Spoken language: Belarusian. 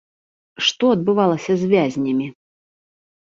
Што адбывалася з вязнямі?